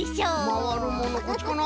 まわるものこっちかな？